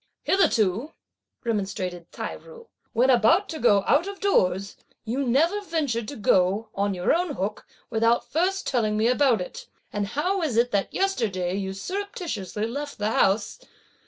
"Hitherto," remonstrated Tai ju, "when about to go out of doors, you never ventured to go, on your own hook, without first telling me about it, and how is it that yesterday you surreptitiously left the house?